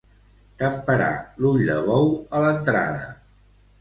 Temperar l'ull de bou a l'entrada.